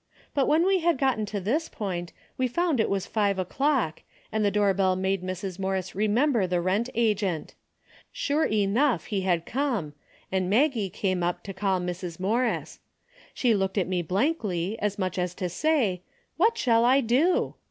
But when we had gotten to this point, we found it was five o'clock, and the door bell made Mrs. Morris remember the rent agent. Sure enough, he had come, and Maggie came up to call Mrs. Morris. She looked at me blankly as much as to say : 'What shall I do?